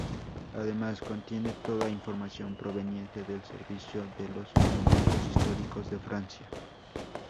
Además, contiene toda información proveniente del servicio de los monumentos históricos de Francia.